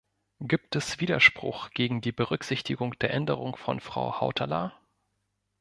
Gibt es Widerspruch gegen die Berücksichtigung der Änderung von Frau Hautala?